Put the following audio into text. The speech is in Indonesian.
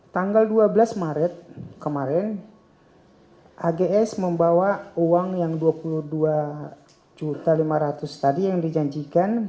tanggal dua belas maret kemarin ags membawa uang yang rp dua puluh dua lima ratus tadi yang dijanjikan